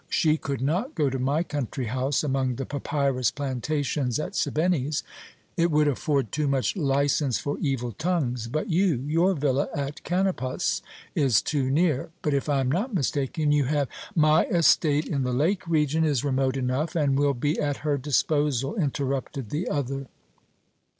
She could not go to my country house among the papyrus plantations at Sebennys. It would afford too much license for evil tongues. But you your villa at Kanopus is too near but, if I am not mistaken, you have " "My estate in the lake region is remote enough, and will be at her disposal," interrupted the other.